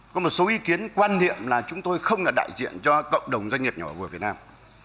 có một số ý kiến quan niệm là chúng tôi không là đại diện cho cộng đồng doanh nghiệp nhỏ vừa việt nam